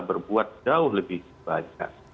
berbuat jauh lebih banyak